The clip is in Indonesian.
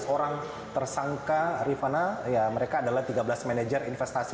lima belas orang tersangka rifana ya mereka adalah tiga belas manajer investasi